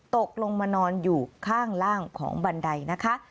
ตกลงมานอนอยู่ข้างล่างของบันไดนะคะ